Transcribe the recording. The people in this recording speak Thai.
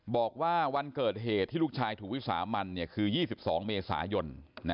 บอกว่าวันเกิดเหตุที่ลูกชายถูกวิสามันคือ๒๒เมษายน